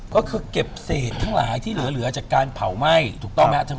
ก็คือเก็บเศษทั้งหลายที่เหลือจากการเผาไหม้ถูกต้องไหมครับ